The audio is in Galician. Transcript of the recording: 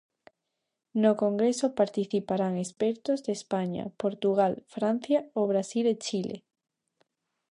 No congreso participarán expertos de España, Portugal, Francia, o Brasil e Chile.